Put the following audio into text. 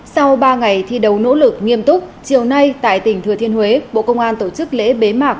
sau ba ngày thi đấu nỗ lực nghiêm túc chiều nay tại tỉnh thừa thiên huế bộ công an tổ chức lễ bế mạc